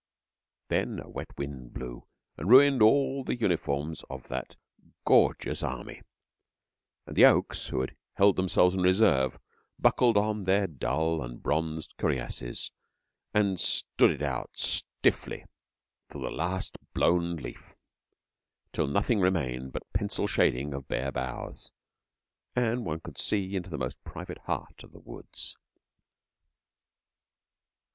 Then a wet wind blew, and ruined all the uniforms of that gorgeous army; and the oaks, who had held themselves in reserve, buckled on their dull and bronzed cuirasses and stood it out stiffly to the last blown leaf, till nothing remained but pencil shading of bare boughs, and one could see into the most private heart of the woods.